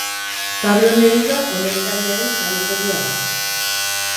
Pablo Neruda olerkariaren jaioterria da.